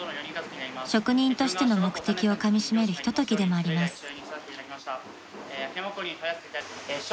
［職人としての目的をかみしめるひとときでもあります］